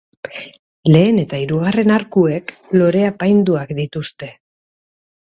Lehen eta hirugarren arkuek lore apaindurak dituzte.